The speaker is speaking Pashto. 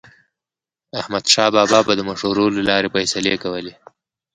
احمدشاه بابا به د مشورو له لارې فیصلې کولې.